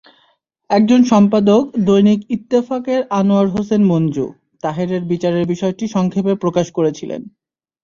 একজন সম্পাদক—দৈনিক ইত্তেফাক-এর আনোয়ার হোসেন মঞ্জু—তাহেরের বিচারের বিষয়টি সংক্ষেপে প্রকাশ করেছিলেন।